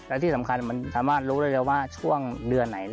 และที่สำคัญมันทำให้รู้ได้ว่าช่วงเดือนไหน